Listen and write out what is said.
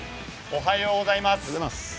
おはようございます。